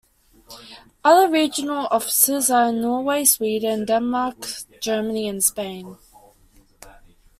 Other regional offices are in Norway, Sweden, Denmark, Germany and Spain.